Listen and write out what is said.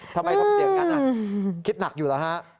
ทำไมทำเสียงกันคิดหนักอยู่เหรอฮะ